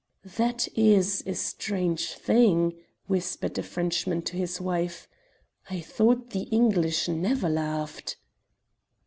"That is a strange thing," whispered a Frenchman to his wife. "I thought the English never laughed!"